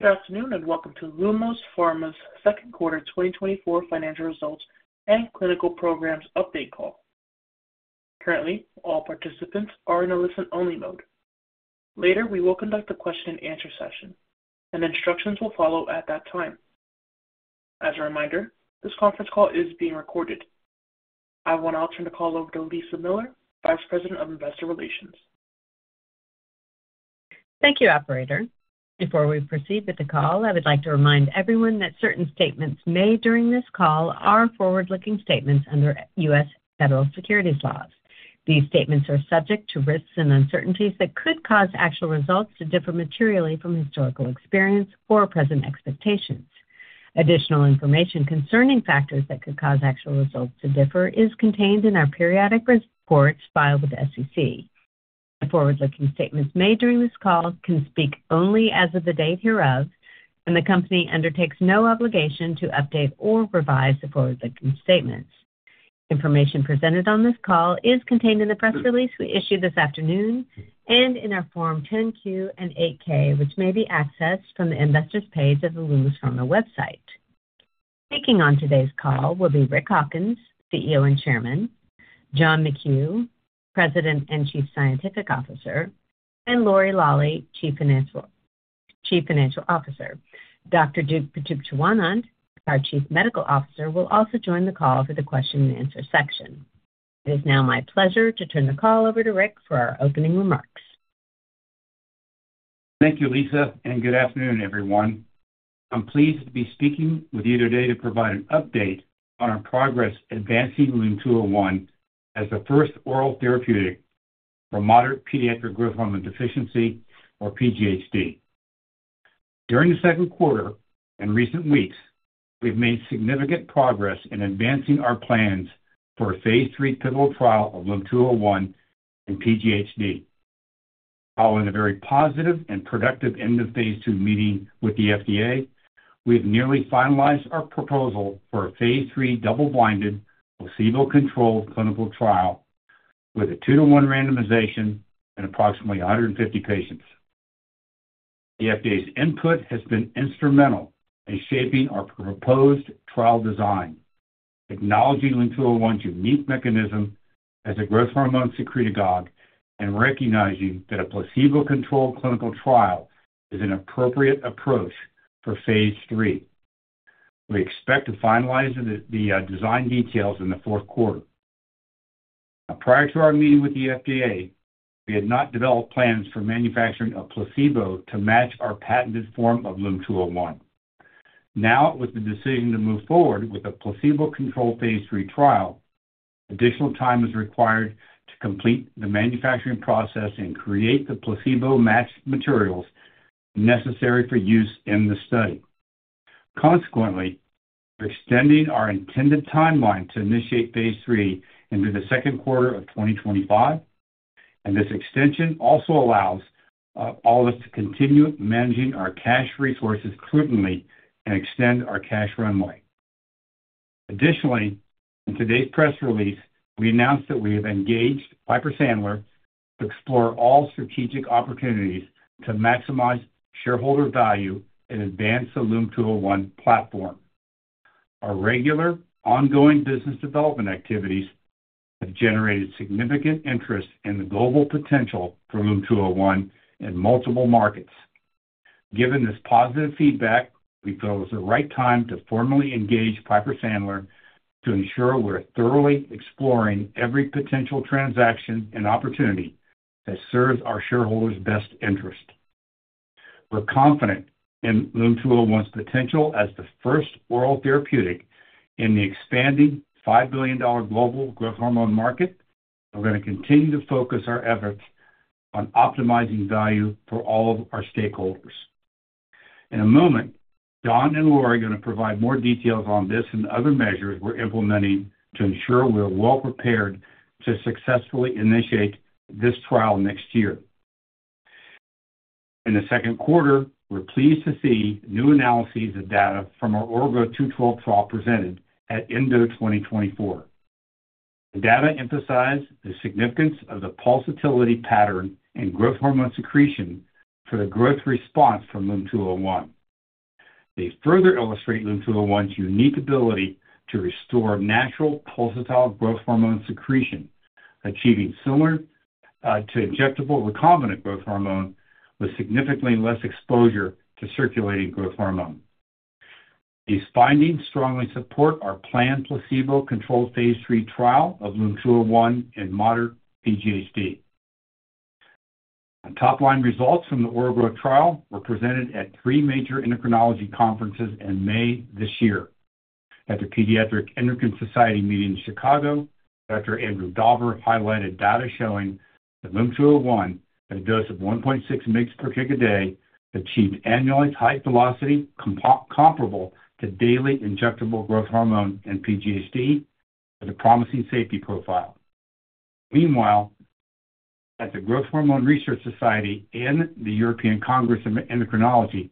Good afternoon and welcome to Lumos Pharma's second quarter 2024 financial results and clinical programs update call. Currently, all participants are in a listen-only mode. Later, we will conduct a question-and-answer session, and instructions will follow at that time. As a reminder, this conference call is being recorded. I will now turn the call over to Lisa Miller, Vice President of Investor Relations. Thank you, Operator. Before we proceed with the call, I would like to remind everyone that certain statements made during this call are forward-looking statements under U.S. federal securities laws. These statements are subject to risks and uncertainties that could cause actual results to differ materially from historical experience or present expectations. Additional information concerning factors that could cause actual results to differ is contained in our periodic reports filed with the SEC. The forward-looking statements made during this call can speak only as of the date hereof, and the company undertakes no obligation to update or revise the forward-looking statements. Information presented on this call is contained in the press release we issued this afternoon and in our Form 10-Q and 8-K, which may be accessed from the investor's page of the Lumos Pharma website. Speaking on today's call will be Rick Hawkins, CEO and Chairman, John McKew, President and Chief Scientific Officer, and Lori Lawley, Chief Financial Officer. Dr. Duke Pitukcheewanont, our Chief Medical Officer, will also join the call for the question-and-answer section. It is now my pleasure to turn the call over to Rick for our opening remarks. Thank you, Lisa, and good afternoon, everyone. I'm pleased to be speaking with you today to provide an update on our progress advancing LUM-201 as the first oral therapeutic for Moderate Pediatric Growth Hormone Deficiency, or PGHD. During the second quarter and recent weeks, we've made significant progress in advancing our plans for a phase III pivotal trial of LUM-201 and PGHD. Following a very positive and productive end-of-phase II meeting with the FDA, we have nearly finalized our proposal for a phase III double-blinded placebo-controlled clinical trial with a two-to-one randomization and approximately 150 patients. The FDA's input has been instrumental in shaping our proposed trial design, acknowledging LUM-201's unique mechanism as a growth hormone secretagogue, and recognizing that a placebo-controlled clinical trial is an appropriate approach for phase III. We expect to finalize the design details in the fourth quarter. Prior to our meeting with the FDA, we had not developed plans for manufacturing a placebo to match our patented form of LUM-201. Now, with the decision to move forward with a placebo-controlled phase III trial, additional time is required to complete the manufacturing process and create the placebo-matched materials necessary for use in the study. Consequently, we're extending our intended timeline to initiate phase III into the second quarter of 2025, and this extension also allows all of us to continue managing our cash resources prudently and extend our cash runway. Additionally, in today's press release, we announced that we have engaged Piper Sandler to explore all strategic opportunities to maximize shareholder value and advance the LUM-201 platform. Our regular ongoing business development activities have generated significant interest in the global potential for LUM-201 in multiple markets. Given this positive feedback, we feel it was the right time to formally engage Piper Sandler to ensure we're thoroughly exploring every potential transaction and opportunity that serves our shareholders' best interest. We're confident in LUM-201's potential as the first oral therapeutic in the expanding $5 billion global growth hormone market, and we're going to continue to focus our efforts on optimizing value for all of our stakeholders. In a moment, John and Lori are going to provide more details on this and other measures we're implementing to ensure we're well-prepared to successfully initiate this trial next year. In the second quarter, we're pleased to see new analyses of data from our OraGrowtH212 trial presented at ENDO 2024. The data emphasize the significance of the pulsatility pattern in growth hormone secretion for the growth response from LUM-201. They further illustrate LUM-201's unique ability to restore natural pulsatile growth hormone secretion, achieving similar to injectable recombinant growth hormone with significantly less exposure to circulating growth hormone. These findings strongly support our planned placebo-controlled phase III trial of LUM-201 in Moderate PGHD. Top-line results from OraGrowtH212 trial were presented at three major endocrinology conferences in May this year. At the Pediatric Endocrine Society meeting in Chicago, Dr. Andrew Dauber highlighted data showing that LUM-201 at a dose of 1.6 mg/kg/day achieved annualized height velocity comparable to daily injectable growth hormone and PGHD with a promising safety profile. Meanwhile, at the Growth Hormone Research Society and the European Congress of Endocrinology,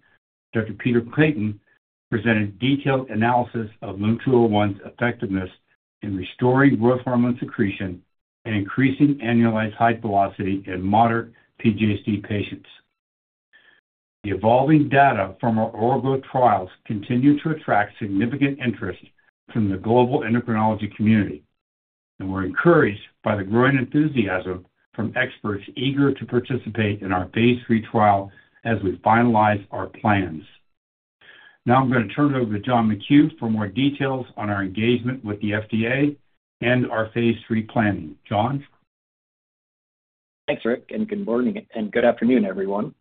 Dr. Peter Clayton presented detailed analysis of LUM-201's effectiveness in restoring growth hormone secretion and increasing annualized height velocity in Moderate PGHD patients. The evolving data from our OraGrowtH trials continue to attract significant interest from the global endocrinology community, and we're encouraged by the growing enthusiasm from experts eager to participate in our phase III trial as we finalize our plans. Now, I'm going to turn it over to John McKew for more details on our engagement with the FDA and our phase III planning. John? Thanks, Rick, and good morning and good afternoon, everyone.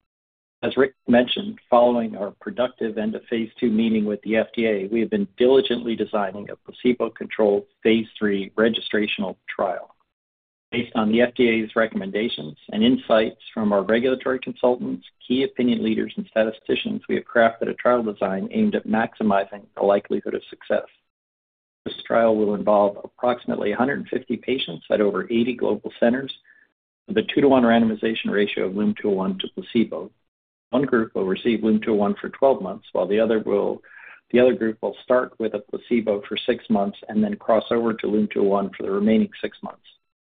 As Rick mentioned, following our productive end-of-phase II meeting with the FDA, we have been diligently designing a placebo-controlled phase III registrational trial. Based on the FDA's recommendations and insights from our regulatory consultants, key opinion leaders, and statisticians, we have crafted a trial design aimed at maximizing the likelihood of success. This trial will involve approximately 150 patients at over 80 global centers with a two-to-one randomization ratio of LUM-201 to placebo. One group will receive LUM-201 for 12 months, while the other group will start with a placebo for 6 months and then cross over to LUM-201 for the remaining 6 months.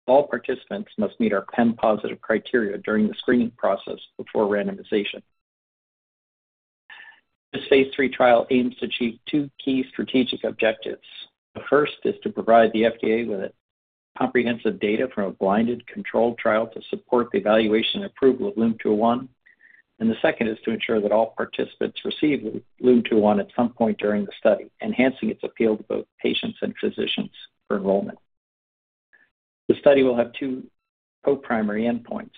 All participants must meet our PEM-positive criteria during the screening process before randomization. This phase III trial aims to achieve two key strategic objectives. The first is to provide the FDA with comprehensive data from a blinded controlled trial to support the evaluation and approval of LUM-201, and the second is to ensure that all participants receive LUM-201 at some point during the study, enhancing its appeal to both patients and physicians for enrollment. The study will have two co-primary endpoints.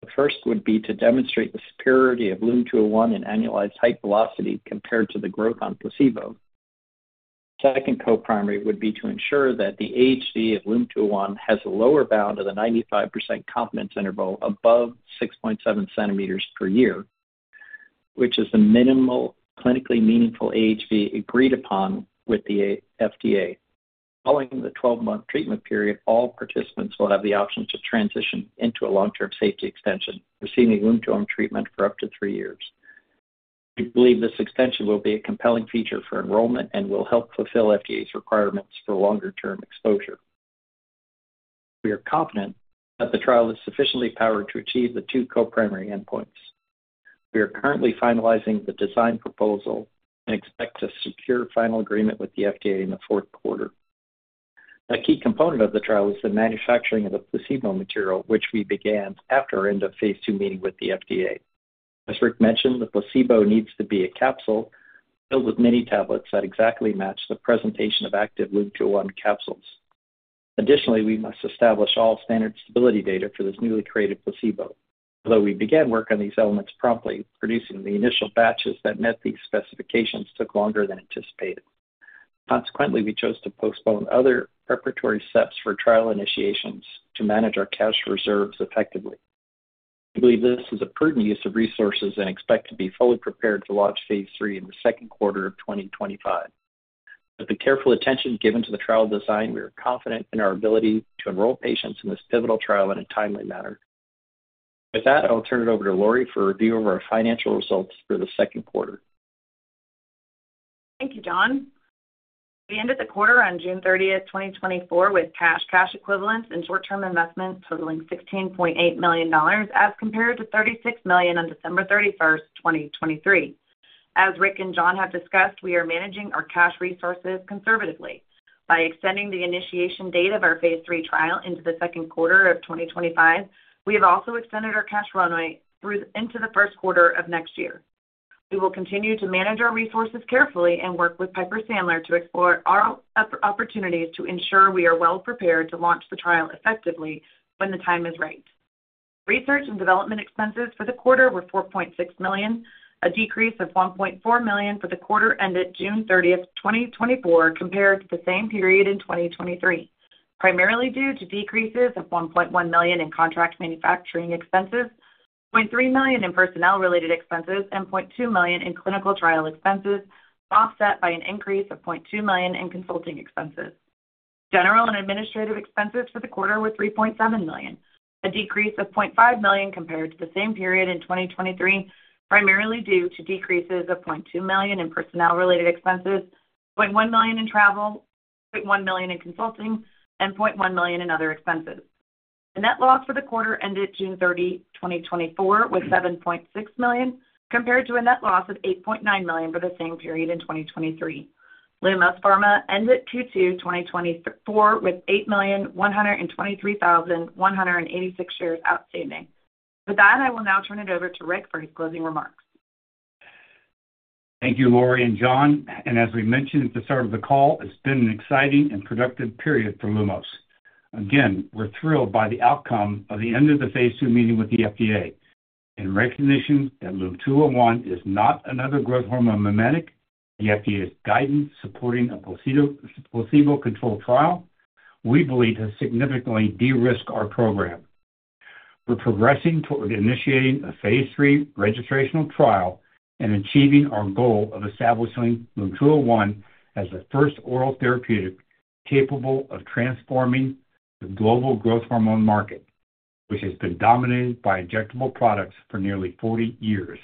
The first would be to demonstrate the superiority of LUM-201 in annualized height velocity compared to the growth on placebo. The second co-primary would be to ensure that the AHV of LUM-201 has a lower bound of the 95% confidence interval above 6.7 centimeters per year, which is the minimal clinically meaningful AHV agreed upon with the FDA. Following the 12-month treatment period, all participants will have the option to transition into a long-term safety extension, receiving LUM-201 treatment for up to three years. We believe this extension will be a compelling feature for enrollment and will help fulfill FDA's requirements for longer-term exposure. We are confident that the trial is sufficiently powered to achieve the two co-primary endpoints. We are currently finalizing the design proposal and expect to secure final agreement with the FDA in the fourth quarter. A key component of the trial is the manufacturing of the placebo material, which we began after our end-of-phase II meeting with the FDA. As Rick mentioned, the placebo needs to be a capsule filled with mini tablets that exactly match the presentation of active LUM-201 capsules. Additionally, we must establish all standard stability data for this newly created placebo. Although we began work on these elements promptly, producing the initial batches that met these specifications took longer than anticipated. Consequently, we chose to postpone other preparatory steps for trial initiations to manage our cash reserves effectively. We believe this is a prudent use of resources and expect to be fully prepared to launch phase III in the second quarter of 2025. With the careful attention given to the trial design, we are confident in our ability to enroll patients in this pivotal trial in a timely manner. With that, I'll turn it over to Lori for review of our financial results for the second quarter. Thank you, John. We ended the quarter on June 30, 2024, with cash equivalents and short-term investments totaling $16.8 million as compared to $36 million on December 31, 2023. As Rick and John have discussed, we are managing our cash resources conservatively. By extending the initiation date of our phase III trial into the second quarter of 2025, we have also extended our cash runway into the first quarter of next year. We will continue to manage our resources carefully and work with Piper Sandler to explore our opportunities to ensure we are well-prepared to launch the trial effectively when the time is right. Research and development expenses for the quarter were $4.6 million, a decrease of $1.4 million for the quarter ended June 30, 2024, compared to the same period in 2023, primarily due to decreases of $1.1 million in contract manufacturing expenses, $0.3 million in personnel-related expenses, and $0.2 million in clinical trial expenses, offset by an increase of $0.2 million in consulting expenses. General and administrative expenses for the quarter were $3.7 million, a decrease of $0.5 million compared to the same period in 2023, primarily due to decreases of $0.2 million in personnel-related expenses, $0.1 million in travel, $0.1 million in consulting, and $0.1 million in other expenses. The net loss for the quarter ended June 30, 2024, was $7.6 million compared to a net loss of $8.9 million for the same period in 2023. Lumos Pharma ended Q2 2024 with 8,123,186 shares outstanding. With that, I will now turn it over to Rick for his closing remarks. Thank you, Lori and John. As we mentioned at the start of the call, it's been an exciting and productive period for Lumos. Again, we're thrilled by the outcome of the End-of-Phase II meeting with the FDA and recognition that LUM-201 is not another growth hormone mimetic. The FDA's guidance supporting a placebo-controlled trial we believe has significantly de-risked our program. We're progressing toward initiating a Phase III registrational trial and achieving our goal of establishing LUM-201 as the first oral therapeutic capable of transforming the global growth hormone market, which has been dominated by injectable products for nearly 40 years.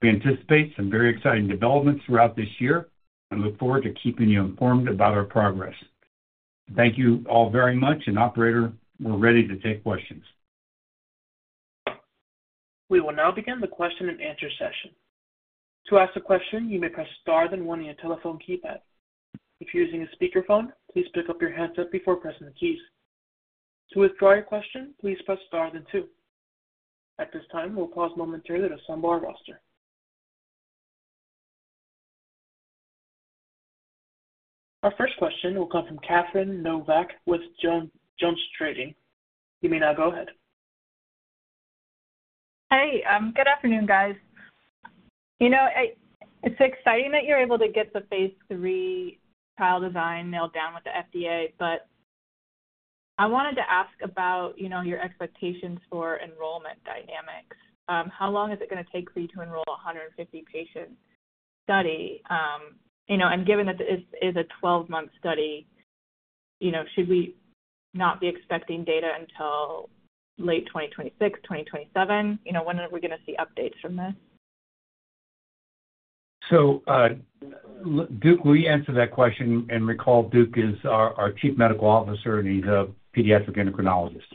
We anticipate some very exciting developments throughout this year and look forward to keeping you informed about our progress. Thank you all very much, and Operator, we're ready to take questions. We will now begin the question-and-answer session. To ask a question, you may press star then one in your telephone keypad. If you're using a speakerphone, please pick up your handset before pressing the keys. To withdraw your question, please press star then two. At this time, we'll pause momentarily to assemble our roster. Our first question will come from Catherine Novack with JonesTrading. You may now go ahead. Hey, good afternoon, guys. You know, it's exciting that you're able to get the phase III trial design nailed down with the FDA, but I wanted to ask about, you know, your expectations for enrollment dynamics. How long is it going to take for you to enroll 150 patients? Study, you know, and given that this is a 12-month study, you know, should we not be expecting data until late 2026, 2027? You know, when are we going to see updates from this? So Duke, will you answer that question? Recall, Duke is our Chief Medical Officer, and he's a pediatric endocrinologist.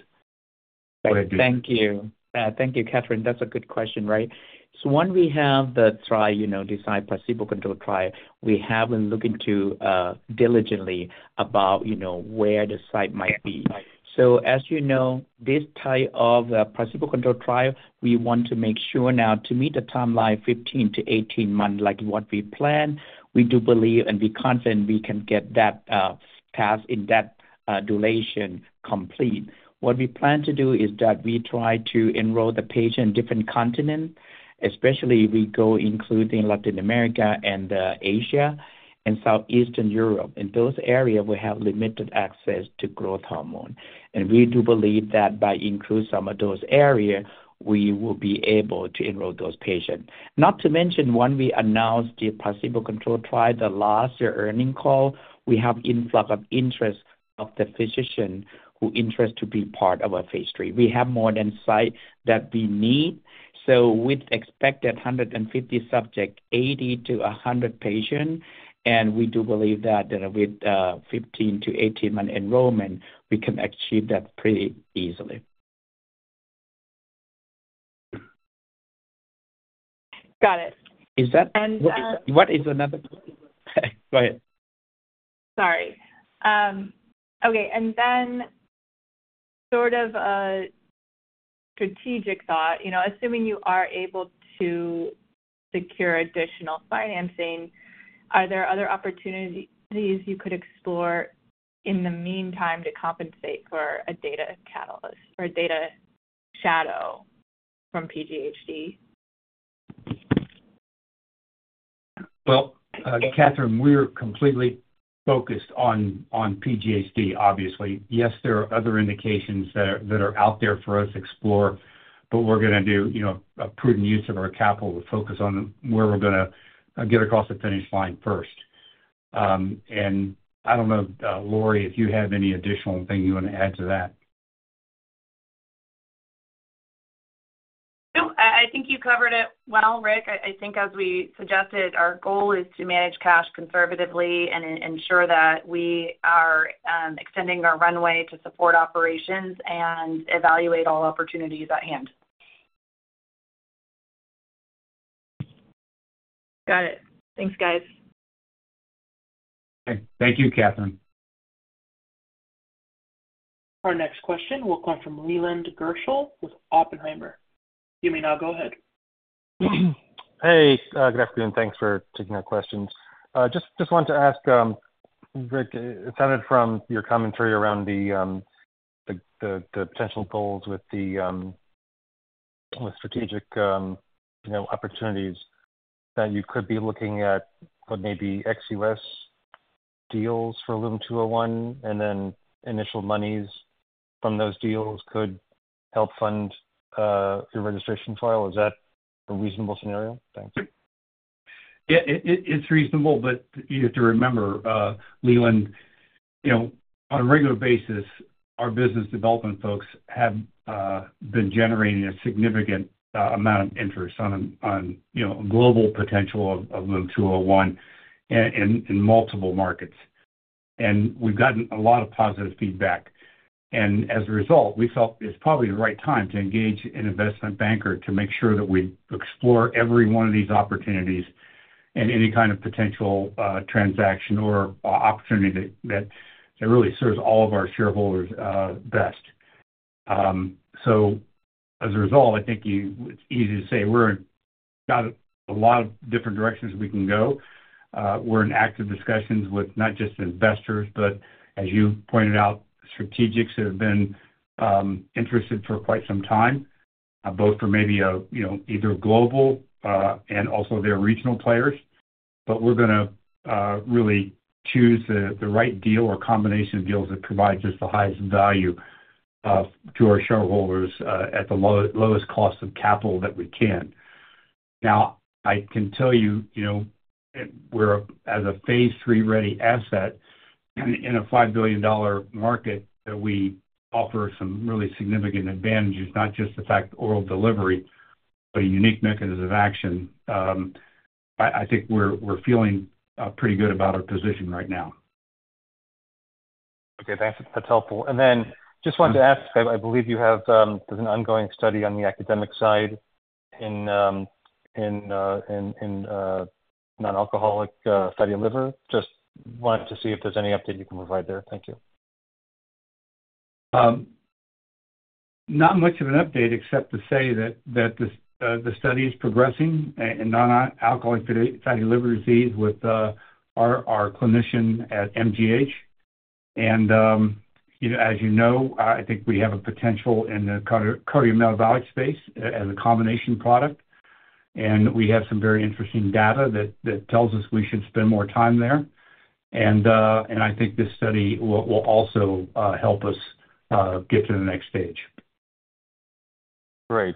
Thank you. Thank you, Catherine. That's a good question, right? So when we have the trial, you know, this placebo-controlled trial, we have been looking diligently about, you know, where the sites might be. So as you know, this type of placebo-controlled trial, we want to make sure now to meet the timeline of 15 to 18 months, like what we planned. We do believe, and we're confident we can get that past in that duration complete. What we plan to do is that we try to enroll the patient in different continents, especially we go including Latin America and Asia and Southeastern Europe. In those areas, we have limited access to growth hormone. And we do believe that by increasing some of those areas, we will be able to enroll those patients. Not to mention, when we announced the placebo-controlled trial, the last earnings call, we have influx of interest from the physicians who are interested to be part of our phase III. We have more sites than we need. So with expected 150 subjects, 80-100 patients, and we do believe that with 15-18 months enrollment, we can achieve that pretty easily. Got it. Is that? And then. What is another? Go ahead. Sorry. Okay. And then sort of a strategic thought, you know, assuming you are able to secure additional financing, are there other opportunities you could explore in the meantime to compensate for a data catalyst or data shadow from PGHD? Well, Catherine, we're completely focused on PGHD, obviously. Yes, there are other indications that are out there for us to explore, but we're going to do, you know, a prudent use of our capital to focus on where we're going to get across the finish line first. And I don't know, Lori, if you have any additional thing you want to add to that. No, I think you covered it well, Rick. I think as we suggested, our goal is to manage cash conservatively and ensure that we are extending our runway to support operations and evaluate all opportunities at hand. Got it. Thanks, guys. Okay. Thank you, Catherine. Our next question will come from Leland Gershell with Oppenheimer. You may now go ahead. Hey, good afternoon. Thanks for taking our questions. Just wanted to ask, Rick, it sounded from your commentary around the potential goals with the strategic opportunities that you could be looking at, but maybe XUS deals for LUM-201, and then initial monies from those deals could help fund your registration trial. Is that a reasonable scenario? Thanks. Yeah, it's reasonable, but you have to remember, Leland, you know, on a regular basis, our business development folks have been generating a significant amount of interest on, you know, a global potential of LUM-201 in multiple markets. And we've gotten a lot of positive feedback. And as a result, we felt it's probably the right time to engage an investment banker to make sure that we explore every one of these opportunities and any kind of potential transaction or opportunity that really serves all of our shareholders best. So as a result, I think it's easy to say we're in a lot of different directions we can go. We're in active discussions with not just investors, but as you pointed out, strategics have been interested for quite some time, both for maybe, you know, either global and also their regional players. But we're going to really choose the right deal or combination of deals that provide just the highest value to our shareholders at the lowest cost of capital that we can. Now, I can tell you, you know, we're a phase III ready asset in a $5 billion market that we offer some really significant advantages, not just the fact of oral delivery, but a unique mechanism of action. I think we're feeling pretty good about our position right now. Okay. Thanks. That's helpful. And then just wanted to ask, I believe you have an ongoing study on the academic side in non-alcoholic fatty liver. Just wanted to see if there's any update you can provide there. Thank you. Not much of an update except to say that the study is progressing in non-alcoholic fatty liver disease with our clinician at MGH. You know, as you know, I think we have a potential in the cardiometabolic space as a combination product. We have some very interesting data that tells us we should spend more time there. I think this study will also help us get to the next stage. Great.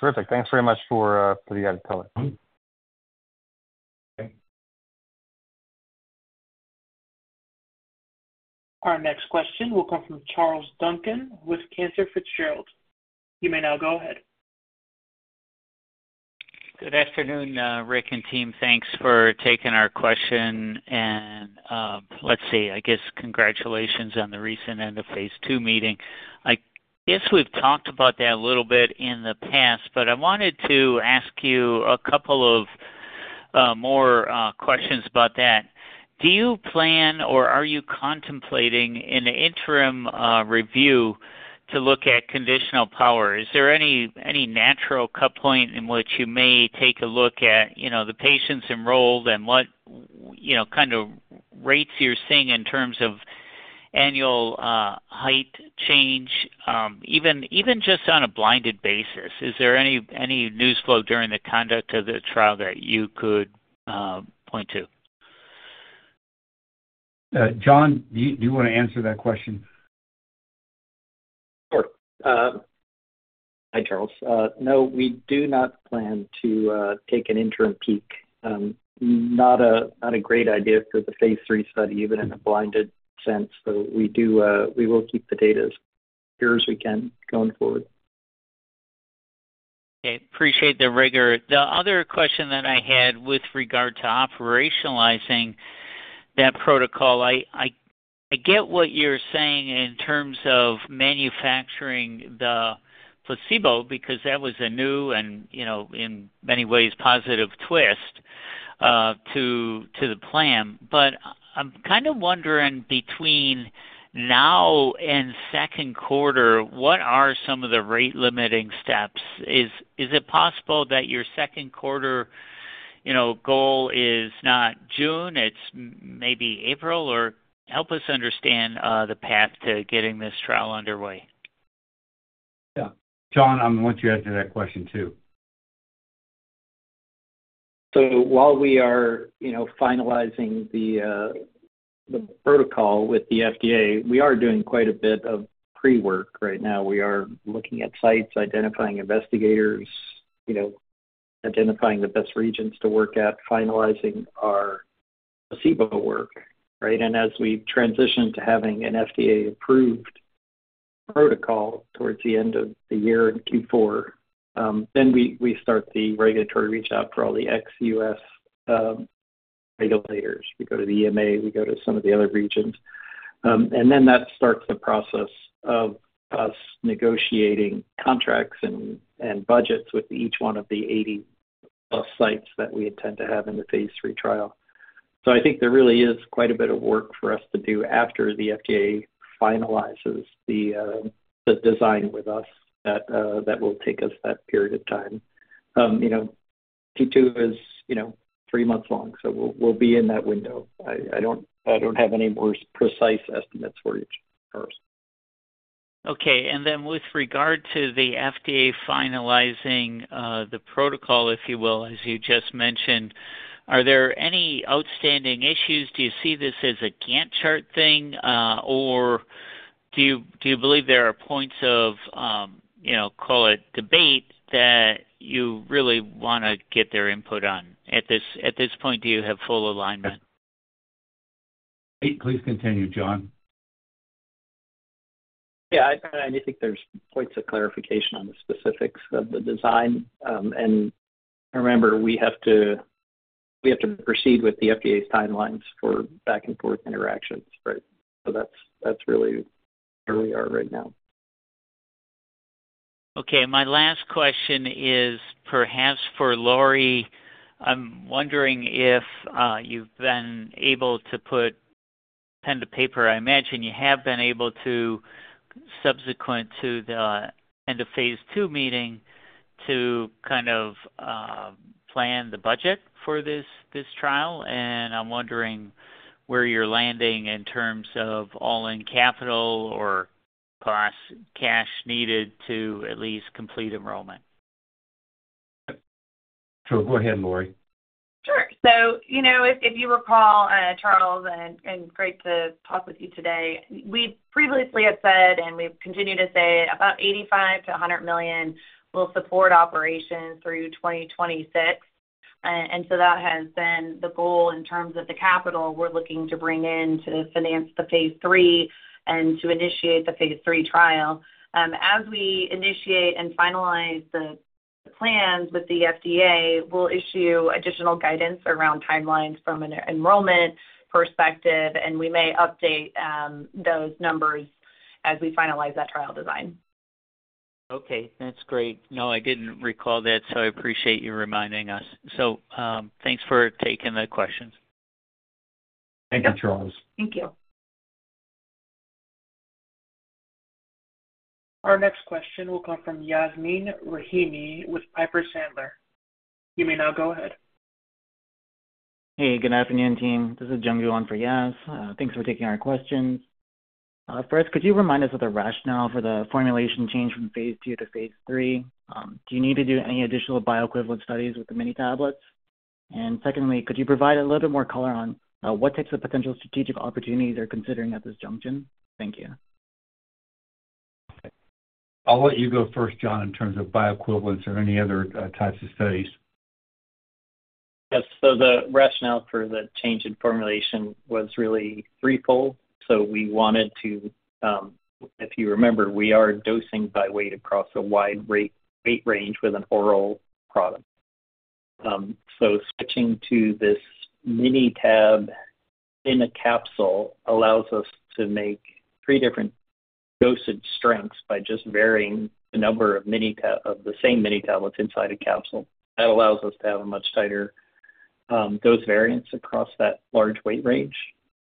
Terrific. Thanks very much for the added color. Okay. Our next question will come from Charles Duncan with Cantor Fitzgerald. You may now go ahead. Good afternoon, Rick and team. Thanks for taking our question. And let's see, I guess congratulations on the recent end of phase II meeting. I guess we've talked about that a little bit in the past, but I wanted to ask you a couple of more questions about that. Do you plan or are you contemplating an interim review to look at conditional power? Is there any natural cut point in which you may take a look at, you know, the patients enrolled and what, you know, kind of rates you're seeing in terms of annual height change, even just on a blinded basis? Is there any news flow during the conduct of the trial that you could point to? John, do you want to answer that question? Sure. Hi, Charles. No, we do not plan to take an interim peak. Not a great idea for the phase III study, even in a blinded sense. So we will keep the data as pure as we can going forward. Okay. Appreciate the rigor. The other question that I had with regard to operationalizing that protocol, I get what you're saying in terms of manufacturing the placebo because that was a new and, you know, in many ways, positive twist to the plan. But I'm kind of wondering between now and second quarter, what are some of the rate limiting steps? Is it possible that your second quarter, you know, goal is not June, it's maybe April? Or help us understand the path to getting this trial underway. Yeah. John, I want you to answer that question too. So while we are, you know, finalizing the protocol with the FDA, we are doing quite a bit of pre-work right now. We are looking at sites, identifying investigators, you know, identifying the best regions to work at, finalizing our placebo work, right? And as we transition to having an FDA-approved protocol towards the end of the year in Q4, then we start the regulatory reach-out for all the XUS regulators. We go to the EMEA, we go to some of the other regions. And then that starts the process of us negotiating contracts and budgets with each one of the 80+ sites that we intend to have in the phase III trial. So I think there really is quite a bit of work for us to do after the FDA finalizes the design with us that will take us that period of time. You know, Q2 is, you know, three months long, so we'll be in that window. I don't have any more precise estimates for each of ours. Okay. And then with regard to the FDA finalizing the protocol, if you will, as you just mentioned, are there any outstanding issues? Do you see this as a Gantt chart thing, or do you believe there are points of, you know, call it debate that you really want to get their input on? At this point, do you have full alignment? Please continue, John. Yeah. I think there's points of clarification on the specifics of the design. And remember, we have to proceed with the FDA's timelines for back-and-forth interactions, right? So that's really where we are right now. Okay. My last question is perhaps for Lori. I'm wondering if you've been able to put pen to paper, I imagine you have been able to, subsequent to the end-of-Phase II meeting, to kind of plan the budget for this trial. And I'm wondering where you're landing in terms of all-in capital or cash needed to at least complete enrollment? Go ahead, Lori. Sure. So, you know, if you recall, Charles, and great to talk with you today, we previously have said, and we've continued to say, about $85 million-$100 million will support operations through 2026. And so that has been the goal in terms of the capital we're looking to bring in to finance the phase III and to initiate the phase III trial. As we initiate and finalize the plans with the FDA, we'll issue additional guidance around timelines from an enrollment perspective, and we may update those numbers as we finalize that trial design. Okay. That's great. No, I didn't recall that, so I appreciate you reminding us. So thanks for taking the questions. Thank you, Charles. Thank you. Our next question will come from Yasmeen Rahimi with Piper Sandler. You may now go ahead. Hey, good afternoon, team. This is Jeong-Yoon for Yas. Thanks for taking our questions. First, could you remind us of the rationale for the formulation change from phase II to phase III? Do you need to do any additional bioequivalent studies with the mini tablets? And secondly, could you provide a little bit more color on what types of potential strategic opportunities you're considering at this junction? Thank you. I'll let you go first, John, in terms of bioequivalents or any other types of studies. Yes. So the rationale for the change in formulation was really threefold. So we wanted to, if you remember, we are dosing by weight across a wide weight range with an oral product. So switching to this mini tab in a capsule allows us to make three different dosage strengths by just varying the number of the same mini tablets inside a capsule. That allows us to have a much tighter dose variance across that large weight range.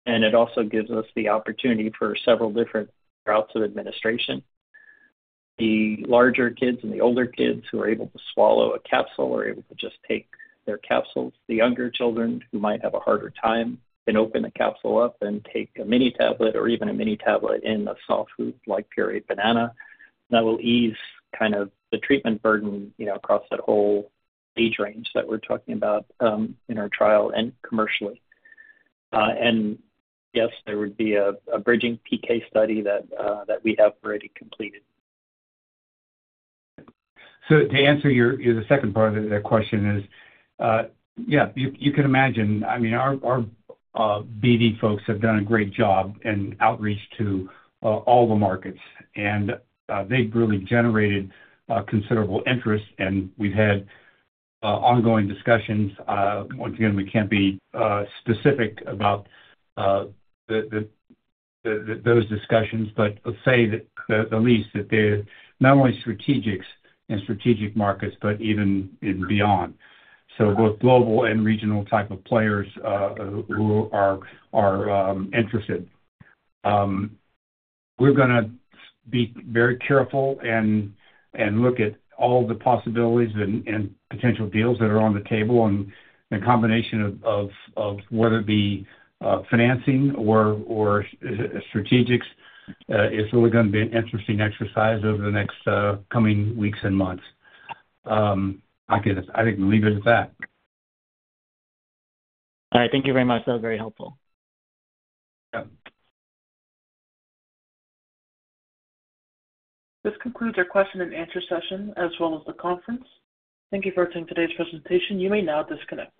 And it also gives us the opportunity for several different routes of administration. The larger kids and the older kids who are able to swallow a capsule are able to just take their capsules. The younger children who might have a harder time can open a capsule up and take a mini tablet or even a mini tablet in a soft food like pureed banana. That will ease kind of the treatment burden, you know, across that whole age range that we're talking about in our trial and commercially. And yes, there would be a bridging PK study that we have already completed. So to answer the second part of that question is, yeah, you can imagine. I mean, our BD folks have done a great job in outreach to all the markets. And they've really generated considerable interest. And we've had ongoing discussions. Once again, we can't be specific about those discussions, but say at least that they're not only strategics and strategic markets, but even beyond. So both global and regional type of players who are interested. We're going to be very careful and look at all the possibilities and potential deals that are on the table. And the combination of whether it be financing or strategics is really going to be an interesting exercise over the next coming weeks and months. I think we'll leave it at that. All right. Thank you very much. That was very helpful. Yep. This concludes our question and answer session as well as the conference. Thank you for attending today's presentation. You may now disconnect.